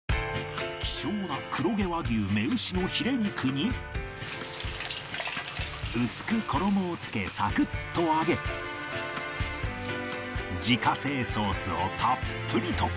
希少な黒毛和牛雌牛のヒレ肉に薄く衣を付けサクッと揚げ自家製ソースをたっぷりと